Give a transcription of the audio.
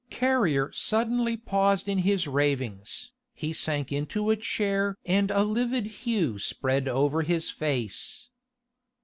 Carrier suddenly paused in his ravings. He sank into a chair and a livid hue spread over his face.